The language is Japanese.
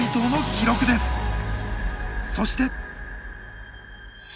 そして。